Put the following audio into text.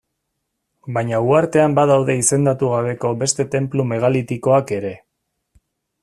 Baina uhartean badaude izendatu gabeko beste tenplu megalitikoak ere.